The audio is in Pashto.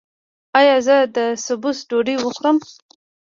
ایا زه د سبوس ډوډۍ وخورم؟